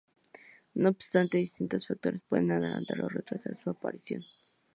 No obstante, distintos factores pueden adelantar o retrasar su aparición.